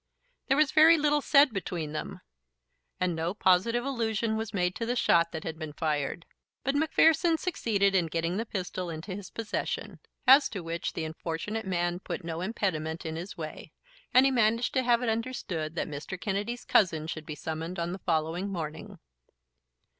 There was very little said between them; and no positive allusion was made to the shot that had been fired; but Macpherson succeeded in getting the pistol into his possession, as to which the unfortunate man put no impediment in his way, and he managed to have it understood that Mr. Kennedy's cousin should be summoned on the following morning.